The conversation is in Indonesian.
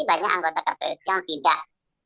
banyak anggota kpu yang tidak